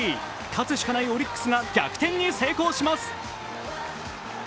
勝つしかないオリックスが逆転に成功します。